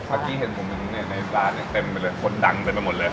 อักกี้เห็นผมเป็นในร้านเต็มไปเลยคนดังไปไปหมดเลย